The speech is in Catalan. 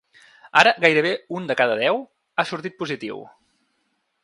Ara, gairebé un de cada deu ha sortit positiu.